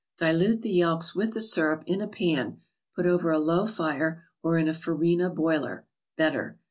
Dilute the yelks with the syrup, in a pan, put over a low fire, or in a farina boiler (better).